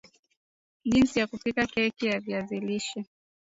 Jinsi ya kupika keki ya viazi lishe